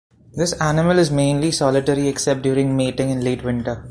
This animal is mainly solitary except during mating in late winter.